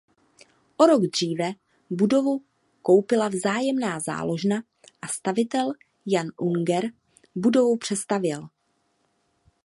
O rok dříve budovu koupila Vzájemná záložna a stavitel Jan Unger budovu přestavěl.